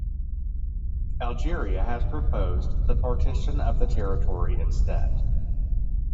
Algeria had proposed the partition of the territory instead.